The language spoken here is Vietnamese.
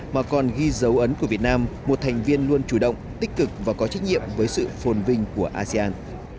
mà còn ghi dấu ấn của việt nam một thành viên luôn chủ động tích cực và có trách nhiệm với sự phồn vinh của asean